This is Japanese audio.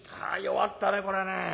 「弱ったねこれね」。